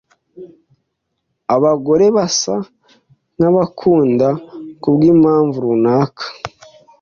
Abagore basa nkabakunda kubwimpamvu runaka.